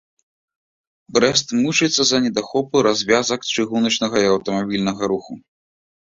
Брэст мучаецца з-за недахопу развязак чыгуначнага і аўтамабільнага руху.